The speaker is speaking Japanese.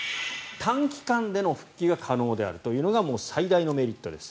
短期間での復帰が可能であるというのが最大のメリットです